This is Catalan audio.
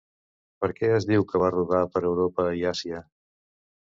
Per què es diu que va rodar per Europa i Àsia?